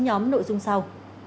chín nhóm nội dung sau